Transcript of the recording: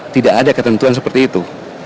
tidak ada ketentuan seperti itu